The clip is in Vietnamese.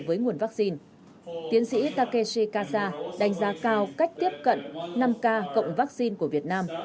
với nguồn vaccine tiến sĩ takeshi kaza đánh giá cao cách tiếp cận năm k cộng vaccine của việt nam